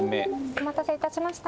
お待たせいたしました。